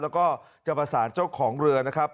แล้วก็จะประสานเจ้าของเรือนะครับ